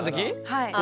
はい。